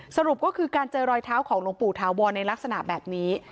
สรุปก็คือการเจอรอยเท้าของหลวงปู่ถาวรในลักษณะแบบนี้